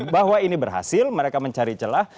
bahwa ini berhasil mereka mencari celah